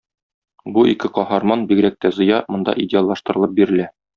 Бу ике каһарман, бигрәк тә Зыя, монда идеаллаштырылып бирелә.